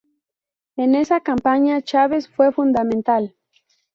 En esa campaña, Chávez fue fundamental.